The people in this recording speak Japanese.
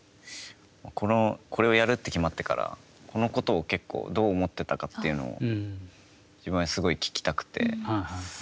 これをやるって決まってから、このことを結構どう思ってたかというのを自分はすごい聞きたくて。